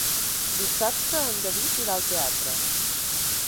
Dissabte en David irà al teatre.